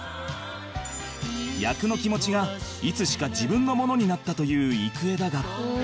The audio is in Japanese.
役の気持ちがいつしか自分のものになったという郁恵だが